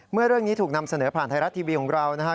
เมื่อเรื่องนี้ถูกนำเสนอผ่านไทยรัฐทีวีของเรานะฮะ